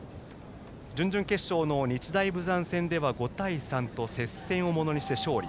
準々決勝の日大豊山戦では５対３と接戦をものにして勝利。